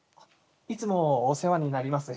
いつもお世話になります